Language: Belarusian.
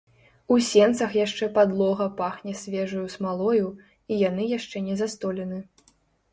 У сенцах яшчэ падлога пахне свежаю смалою, і яны яшчэ не застолены.